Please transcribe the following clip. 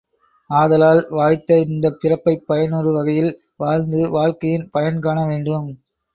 ஆதலால் வாய்த்த இந்தப் பிறப்பைப் பயனுறுவகையில் வாழ்ந்து, வாழ்க்கையின் பயன் காணவேண்டும்.